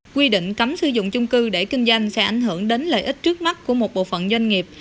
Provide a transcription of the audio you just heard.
quy định cấm sử dụng chung cư để kinh doanh sẽ ảnh hưởng đến lợi ích trước mắt của một bộ phận doanh nghiệp